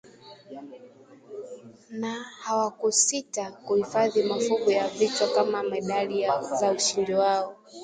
Na hawakusita kuhifadhi mafuvu ya vichwa kama medali za ushindi wao